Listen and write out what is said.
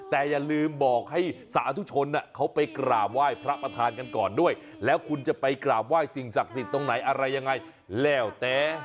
แต่อย่าลืมบอกให้สาธุชนเขาไปกราบไหว้พระประธานกันก่อนด้วยแล้วคุณจะไปกราบไหว้สิ่งศักดิ์สิทธิ์ตรงไหนอะไรยังไงแล้วแต่